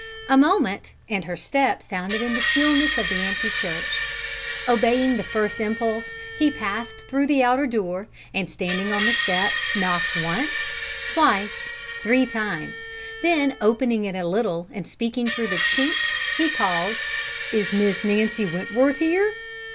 A moment, and her step sounded in the stillness of the empty church. Obeying the first impulse, he passed through the outer door, and standing on the step, knocked once, twice, three times; then, opening it a little and speaking through the chink, he called, "Is Miss Nancy Wentworth here?"